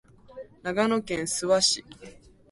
長野県諏訪市